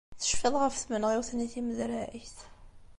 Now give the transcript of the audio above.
Tecfiḍ ɣef tmenɣiwt-nni timedregt?